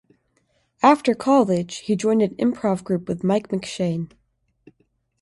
After college, he joined an improv group with Mike McShane.